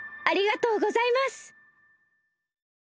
ありがとうございます！